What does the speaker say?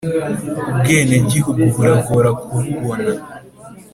Ubwenegihugu buragora kububona